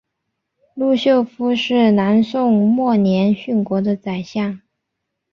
陆秀夫是南宋末年殉国的宰相。